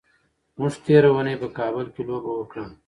موږ تېره اونۍ په کابل کې لوبه وکړه.